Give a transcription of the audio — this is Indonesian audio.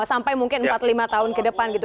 sampai mungkin empat lima tahun ke depan gitu